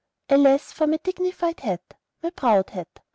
Alas for my dignified hat, My proud hat!